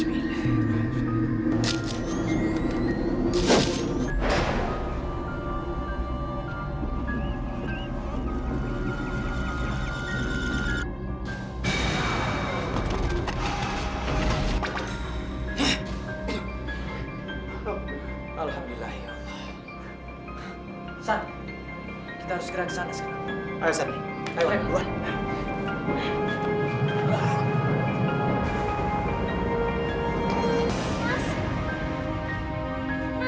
tolong aku tuh